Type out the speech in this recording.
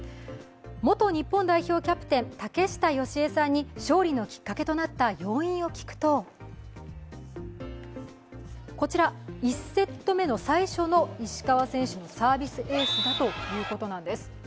元日本代表キャプテン竹下佳江さんに勝利のきっかけとなった要因を聞くとこちら、１セット目の最初の石川選手のサービスエースだということなんです。